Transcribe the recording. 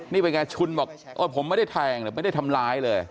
นี่เป็นไงชุนบอกผมไม่ได้แทงเลยไม่ได้ทำร้ายเลย